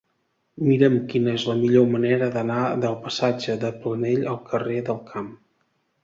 Mira'm quina és la millor manera d'anar del passatge de Planell al carrer del Camp.